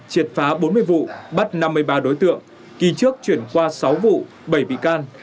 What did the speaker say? triệt phá bốn mươi vụ bắt năm mươi ba đối tượng kỳ trước chuyển qua sáu vụ bảy bị can